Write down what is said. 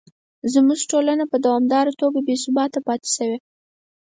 زموږ ټولنه په دوامداره توګه بې ثباته پاتې شوې.